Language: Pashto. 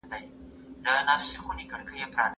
مشران به د بیان ازادي ساتي.